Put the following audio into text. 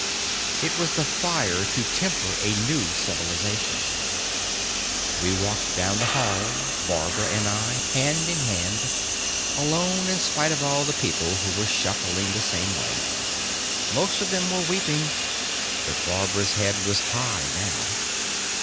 It was the fire to temper a new civilization. We walked down the hall, Barbara and I, hand in hand, alone in spite of all the people who were shuffling the same way. Most of them were weeping. But Barbara's head was high now.